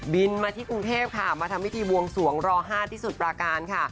บินมาที่กรุงเทพค่ะมาทำพิธีบวงสวงร๕ที่สุดปราการค่ะ